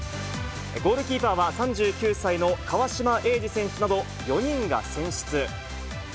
ゴールキーパーは、３９歳の川島永嗣選手など４人が選出。